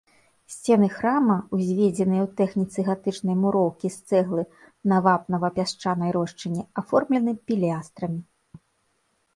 Сцены храма, узведзеныя ў тэхніцы гатычнай муроўкі з цэглы на вапнава-пясчанай рошчыне, аформлены пілястрамі.